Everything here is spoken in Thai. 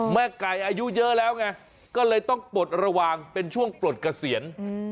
แม่ไก่อายุเยอะแล้วไงก็เลยต้องปลดระวังเป็นช่วงปลดเกษียณ